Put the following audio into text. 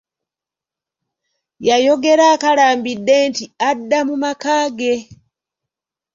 Yayogera akalambidde nti adda mu maka ge.